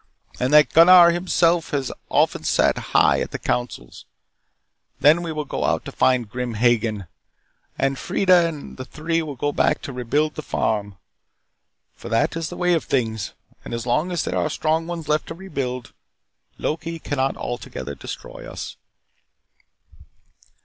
And that Gunnar himself has often sat high at the councils. Then we will go out to find Grim Hagen and Freida and the three will go back to rebuild the farm. For that is the way of things and as long as there are strong ones left to rebuild, Loki cannot altogether destroy us."